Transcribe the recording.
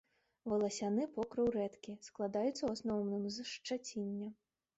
Валасяны покрыў рэдкі, складаецца ў асноўным з шчаціння.